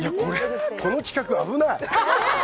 この企画、危ない。